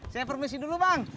saya permisi dulu bang